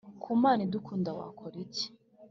ku Mana idukunda Wakora iki